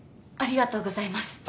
ありがとうございます。